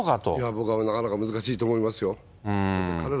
僕はなかなか難しいと思いますよ。